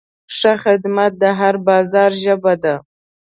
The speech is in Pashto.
ښه خدمت د هر بازار ژبه ده.